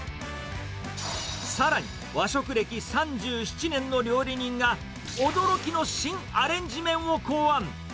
さらに、和食歴３７年の料理人が、驚きの新アレンジ麺を考案。